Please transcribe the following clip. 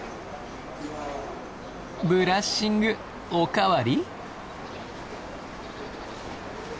ブラッシングお代わり？